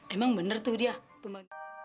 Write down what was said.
emang bener tuh dia